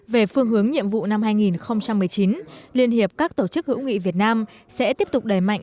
về phương hướng nhiệm vụ năm hai nghìn một mươi chín liên hiệp các tổ chức hữu nghị việt nam sẽ tiếp tục đẩy mạnh